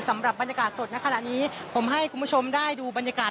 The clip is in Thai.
สำหรับบรรยากาศสดในขณะนี้ผมให้คุณผู้ชมได้ดูบรรยากาศ